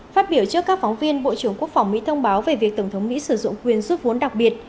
phát biểu trước các phóng viên bộ trưởng quốc phòng mỹ thông báo về việc tổng thống mỹ sử dụng quyền giúp vốn đặc biệt